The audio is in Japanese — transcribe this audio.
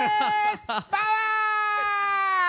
パワー！